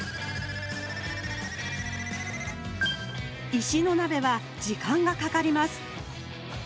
石の鍋は時間がかかります